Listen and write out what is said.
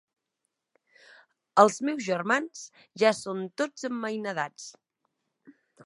Els meus germans ja són tots emmainadats.